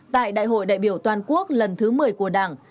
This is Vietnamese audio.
tại đại hội đại biểu toàn quốc lần thứ một mươi của đảng